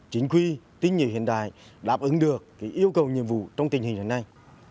chính quy tinh nhiệm hiện đại đáp ứng được yêu cầu nhiệm vụ trong tình hình này